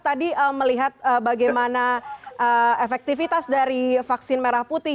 tadi melihat bagaimana efektivitas dari vaksin merah putih